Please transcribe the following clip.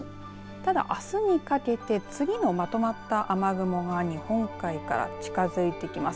ただ、あすにかけて次のまとまった雨雲が日本海から近づいてきます。